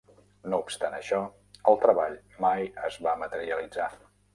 No obstant això, el treball mai es va materialitzar.